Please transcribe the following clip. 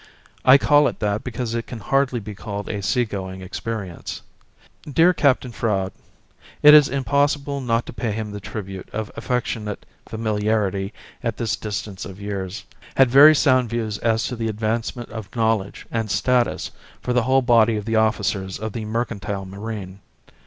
I call it that because it can hardly be called a seagoing experience. Dear Captain Froud it is impossible not to pay him the tribute of affectionate familiarity at this distance of years had very sound views as to the advancement of knowledge and status for the whole body of the officers of the mercantile marine.